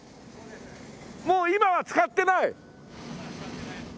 もう今は使ってない？